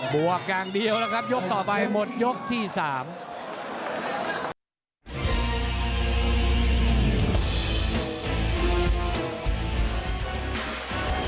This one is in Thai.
บวกอย่างเดียวแล้วครับยกต่อไปหมดยกที่สาม